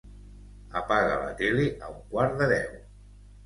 Apaga la tele a un quart de deu.